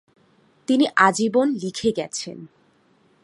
তিনি আজীবন লিখে গেছেন।